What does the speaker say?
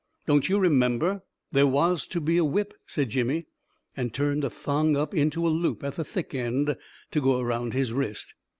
" Don't you remember, there was to be a whip," said Jimmy, and turned a thong up into a loop at the thick end to go around his wrist.